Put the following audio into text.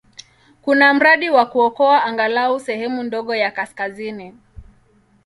Kuna mradi wa kuokoa angalau sehemu ndogo ya kaskazini.